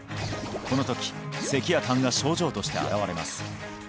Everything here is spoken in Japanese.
このとき咳や痰が症状として現れます